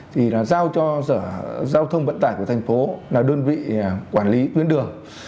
thì giao cho sở giao thông vận tải của thành phố là đơn vị quản lý tuyến đường